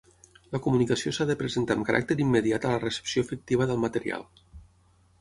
La comunicació s'ha de presentar amb caràcter immediat a la recepció efectiva del material.